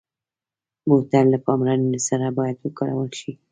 بوتل له پاملرنې سره باید وکارول شي.